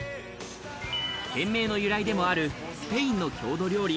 店名の由来でもあるスペインの郷土料理